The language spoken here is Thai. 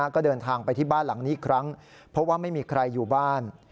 ก็เดินทางไปที่บ้านหลังนี้อีกครั้งเพราะว่าไม่มีใครอยู่บ้าน